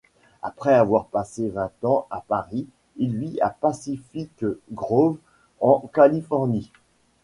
Après avoir passé vingt ans à Paris, il vit à Pacific Grove en Californie.